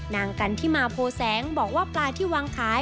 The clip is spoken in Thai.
นางกันที่มาโพแสงบอกว่าปลาที่วางขาย